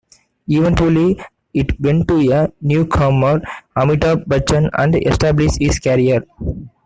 Eventually, it went to a newcomer Amitabh Bachchan and established his career.